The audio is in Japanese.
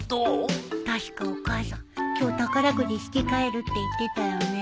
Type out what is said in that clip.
確かお母さん今日宝くじ引き換えるって言ってたよね？